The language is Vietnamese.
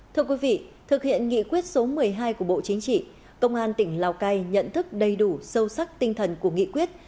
thưa quý vị thực hiện nghị quyết số một mươi hai của bộ chính trị công an tỉnh lào cai nhận thức đầy đủ sâu sắc tinh thần của nghị quyết